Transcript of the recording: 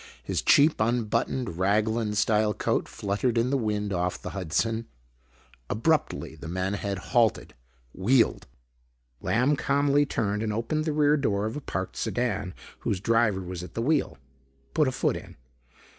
His cheap unbuttoned raglan style coat fluttered in the wind off the Hudson. Abruptly, the man ahead halted, wheeled. Lamb calmly turned and opened the rear door of a parked sedan whose driver was at the wheel. Put a foot in.